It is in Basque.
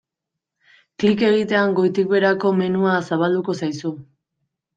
Klik egitean goitik-beherako menua zabalduko zaizu.